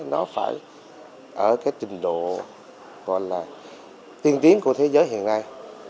nó phải ở cái trình độ gọi là tiên tiến của thế giới hiện nay